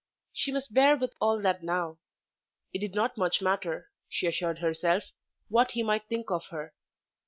She must bear with all that now. It did not much matter, she assured herself, what he might think of her.